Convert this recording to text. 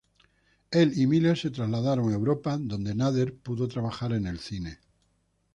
Él y Miller se trasladaron a Europa, donde Nader pudo trabajar en el cine.